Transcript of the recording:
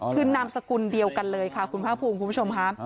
คือนามสกุลเดียวกันเลยค่ะคุณภาคภูมิคุณผู้ชมค่ะ